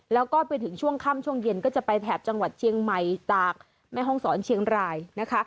แล้วก็ไปถึงช่วงค่ำช่วงเย็นก็จะไปแถบจังหวัดเชียงใหม่ตากแม่ห้องศรเชียงรายนะคะ